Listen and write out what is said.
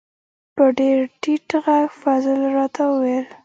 په ډیر ټیټ غږ فضل را ته و ویل: